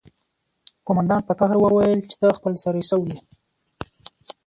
قومندان په قهر وویل چې ته خپل سری شوی یې